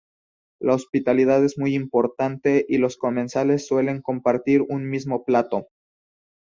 La hospitalidad es muy importante y los comensales suelen compartir un mismo plato.